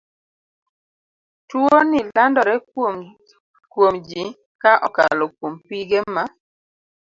Tuo ni landore kuomji ka okalo kuom pige ma